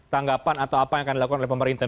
tanggapan atau apa yang akan dilakukan oleh pemerintah